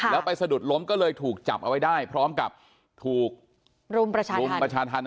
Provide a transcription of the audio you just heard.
แล้วไปสะดุดล้มก็เลยถูกจับเอาไว้ได้พร้อมกับถูกรุมประชาทัณฑ์